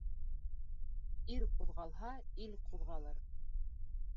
Ир ҡуҙғалһа, ил ҡуҙғалыр.